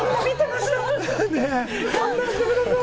勘弁してください！